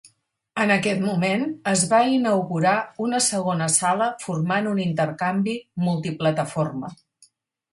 En aquest moment, es va inaugurar una segona sala formant un intercanvi multiplataforma.